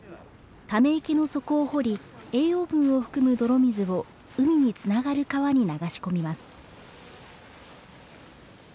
ため池の底を掘り栄養分を含む泥水を海につながる川に流し込みます。